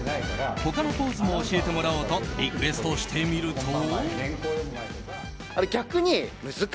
他のポーズも教えてもらおうとリクエストしてみると。